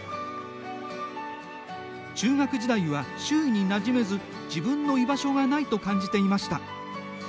中学時代は、周囲になじめず自分の居場所がないと感じていました。